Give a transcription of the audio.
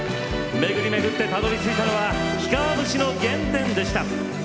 巡り巡って、たどりついたのは氷川節の原点でした。